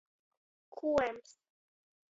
Kuorms.